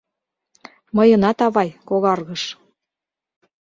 — Мыйынат, авай, когаргыш...